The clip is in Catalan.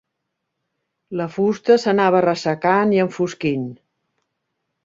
La fusta s'anava ressecant i enfosquint.